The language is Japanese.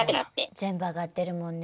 全部上がってるもんね